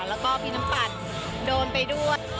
แล้วก็พี่น้ำปั่นโดนไปด้วย